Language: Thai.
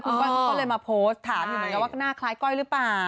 คุณก้อยเขาก็เลยมาโพสต์ถามอยู่เหมือนกันว่าหน้าคล้ายก้อยหรือเปล่า